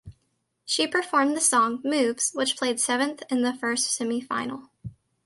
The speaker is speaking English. She performed the song "Moves" which placed seventh in the first semi final.